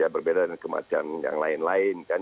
berbeda dengan kematian yang lain lain kan